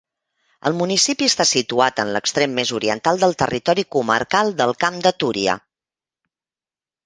El municipi està situat en l'extrem més oriental del territori comarcal del Camp de Túria.